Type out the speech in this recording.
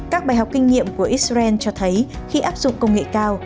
các bài học kinh nghiệm của israel cho thấy khi áp dụng công nghệ cao